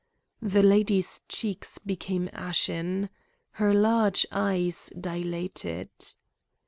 The lady's cheeks became ashen. Her large eyes dilated.